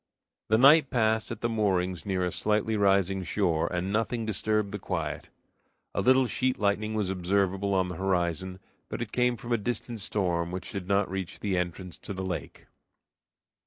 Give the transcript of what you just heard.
The night passed at the moorings near a slightly rising shore, and nothing disturbed the quiet. A little sheet lightning was observable on the horizon, but it came from a distant storm which did not reach the entrance to the lake.